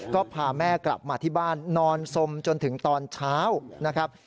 ก็พาแม่กลับมาที่บ้านนอนสมจนถึงตอนเช้านะครับ